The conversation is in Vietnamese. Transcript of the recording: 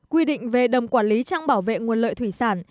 quy định về đầm quản lý trang bảo vệ nguồn lợi thủy sản